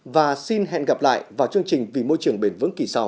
và xin hẹn gặp lại vào chương trình vì môi trường bền vững kỳ sau